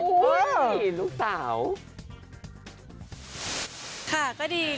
หนุ่มหนาก็ดีค่ะ